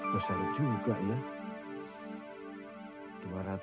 besar juga ya